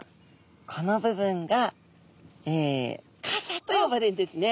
この部分が傘と呼ばれるんですね。